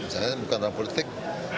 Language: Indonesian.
saya bukan orang politik